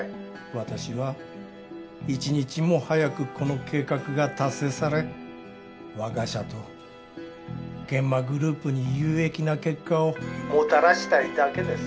私は１日も早くこの計画が達成され我が社と諫間グループに有益な結果をもたらしたいだけです。